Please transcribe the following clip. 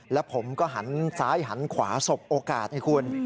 แล้วผมก็หันซ้ายหันขวาสบโอกาสให้คุณ